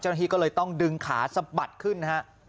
เจ้าหน้าที่ก็เลยต้องดึงขาสะบัดขึ้นนะฮะ